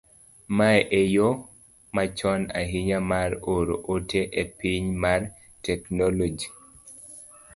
mae e yo machon ahinya mar oro ote e piny mar teknoloji